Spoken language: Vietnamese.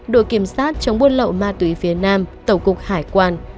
đội kiểm soát chống buôn lậu ma túy phía nam tàu cục hải quan